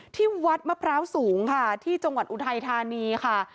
ที่วัดมะพร้าวสูงค่ะที่จังหวัดอุทัยธานีค่ะ